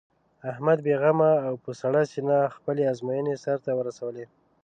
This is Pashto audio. احمد بې غمه او په سړه سینه خپلې ازموینې سر ته ورسولې.